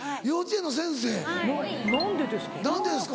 何でですか？